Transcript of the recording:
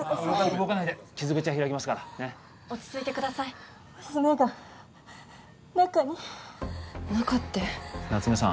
動かないで傷口が開きますから落ち着いてください娘が中に中って夏梅さん